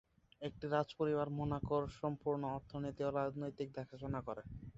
একটি রাজ পরিবার মোনাকোর সম্পূর্ণ অর্থনীতি ও রাজনৈতিক দেখাশোনা করে।